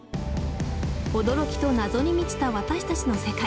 驚きと謎に満ちた私たちの世界。